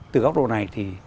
từ góc độ này thì